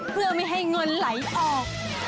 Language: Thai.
เพื่อไม่ให้เงินไหลออก